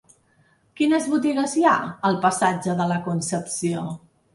Quines botigues hi ha al passatge de la Concepció?